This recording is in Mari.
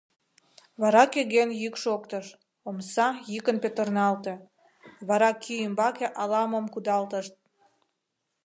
Вара кӧгӧн йӱк шоктыш, омса йӱкын петырналте, вара кӱ ӱмбаке ала-мом кудалтышт.